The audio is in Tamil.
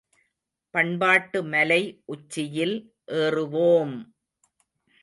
பண்பாட்டு மலை உச்சியில் ஏறுவோம்!